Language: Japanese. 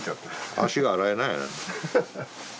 足が洗えない。